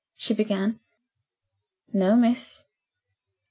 she began. "No, miss."